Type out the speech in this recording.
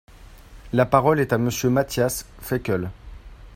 La parole est à Monsieur Matthias Fekl.